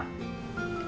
di rumah sakit sejahterang